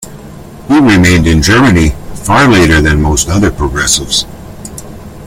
He remained in Germany far later than most other progressives.